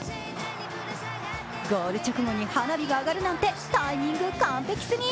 ゴール直後に花火があがるなんてタイミング完璧すぎ。